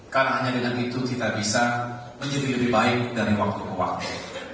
karena hanya dengan itu kita bisa menjadi lebih baik dari waktu ke waktu